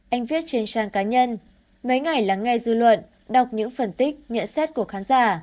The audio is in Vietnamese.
anh viết trên trang cá nhân mấy ngày lắng nghe dư luận đọc những phần tích nhận xét của khán giả